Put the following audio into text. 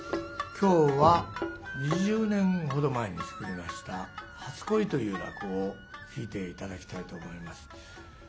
今日は２０年ほど前に作りました「初恋」という落語を聴いて頂きたいと思います。